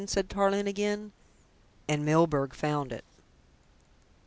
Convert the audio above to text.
said Tarling again. "And Milburgh found it!"